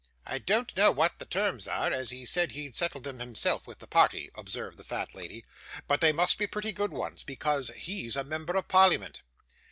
'I don't know what the terms are, as he said he'd settle them himself with the party,' observed the fat lady; 'but they must be pretty good ones, because he's a member of parliament.